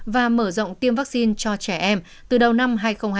và mở rộng tiêm vaccine cho trẻ em từ đầu năm hai nghìn hai mươi